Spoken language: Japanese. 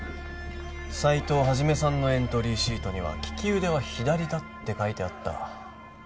齋藤一さんのエントリーシートには利き腕は左だって書いてあった。